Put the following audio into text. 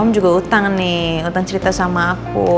om juga utang nih utang cerita sama aku